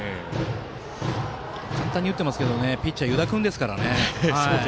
簡単に打っていますけどピッチャーは湯田君ですから。